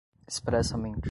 expressamente